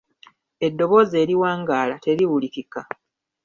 Eddoboozi eriwangaala teriwulikika